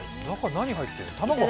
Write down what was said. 中、何入ってるの？